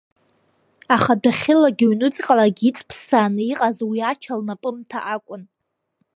Аха дәахьылагьы ҩнуҵҟалагьы иҵԥссааны иҟаз уи Ача лнапымҭа акәын.